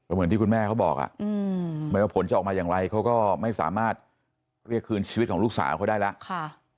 เหมือนที่คุณแม่เขาบอกไม่ว่าผลจะออกมาอย่างไรเขาก็ไม่สามารถเรียกคืนชีวิตของลูกสาวเขาได้แล้ว